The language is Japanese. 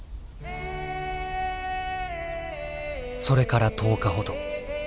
それから１０日ほど。